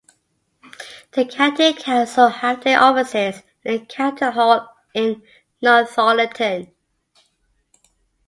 The county council have their offices in the County Hall in Northallerton.